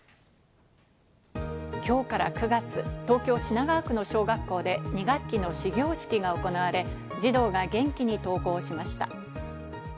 今日から９月、東京・品川区の小学校で２学期の始業式が行われ、児童が元気に登校しました。